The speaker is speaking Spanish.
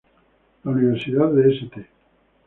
La Universidad de St.